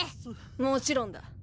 もちろんだ。